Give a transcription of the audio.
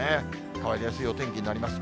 変わりやすいお天気になります。